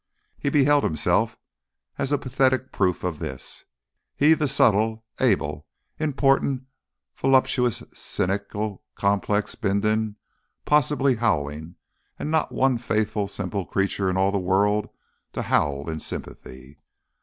He beheld himself as a pathetic proof of this; he, the subtle, able, important, voluptuous, cynical, complex Bindon, possibly howling, and not one faithful simple creature in all the world to howl in sympathy.